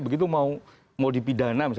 begitu mau dipidana